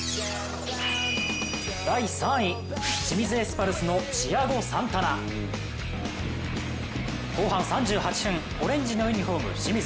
第３位、清水エスパルスのチアゴ・サンタナ後半３８分、オレンジのユニフォーム、清水。